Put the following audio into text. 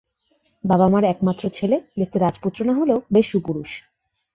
বাবা-মার একমাত্র ছেলে, দেখতে রাজপুত্র না হলেও বেশ সুপুরুষ।